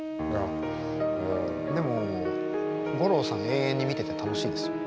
でも五郎さん永遠に見てて楽しいですよ。